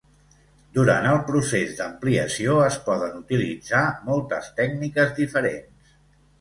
Durant el procés d'ampliació es poden utilitzar moltes tècniques diferents.